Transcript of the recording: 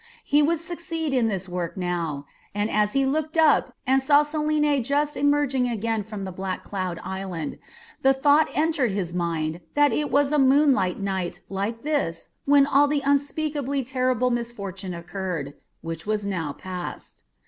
He would succeed in this work now. And as he looked up and saw Selene just emerging again from the black cloud island, the thought entered his mind that it was a moonlight night like this when all the unspeakably terrible misfortune occurred which was now past.